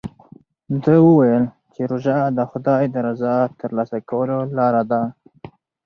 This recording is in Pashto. ده وویل چې روژه د خدای د رضا ترلاسه کولو لاره ده.